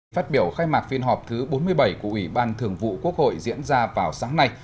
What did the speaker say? phát biểu khai mạc phiên họp thứ bốn mươi bảy của ủy ban thường vụ quốc hội diễn ra vào sáng nay